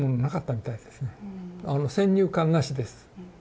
あの先入観なしです。